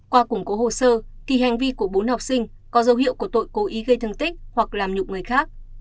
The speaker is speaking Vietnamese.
qua củng cố hồ sơ thì hành vi của bốn học sinh có dấu hiệu của tội cố ý gây thương tích hoặc làm nhục người khác